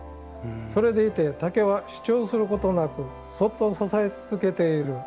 それでいて竹は主張することなくそっと支え続けている。